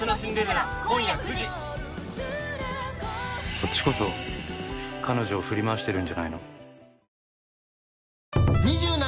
「そっちこそ彼女を振り回してるんじゃないの？」